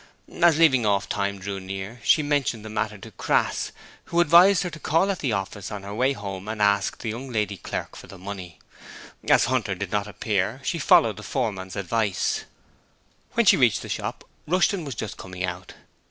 As leaving off time drew near, she mentioned the matter to Crass, who advised her to call at the office on her way home and ask the young lady clerk for the money. As Hunter did not appear, she followed the foreman's advice. When she reached the shop Rushton was just coming out.